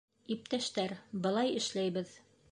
Иптәштәр, былай эшләйбеҙ.